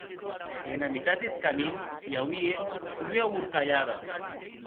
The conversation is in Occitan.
Ena mitat deth camin i auie ua horcalhada.